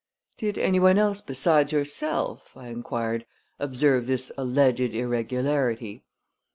"Did any one else besides yourself," I inquired, "observe this alleged irregularity?"